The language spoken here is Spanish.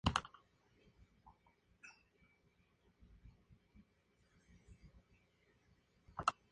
Quebec es el mayor productor de productos obtenidos de la savia de arce.